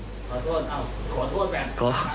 ขอโทษอย่างสูงเลยครับ